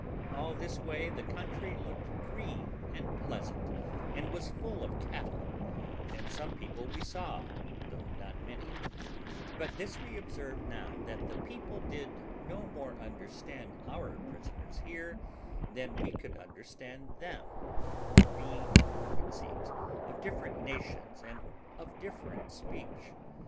All this way the country looked green and pleasant, and was full of cattle, and some people we saw, though not many; but this we observed now, that the people did no more understand our prisoners here than we could understand them; being, it seems, of different nations and of different speech.